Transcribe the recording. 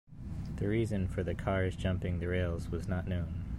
The reason for the cars jumping the rails was not known.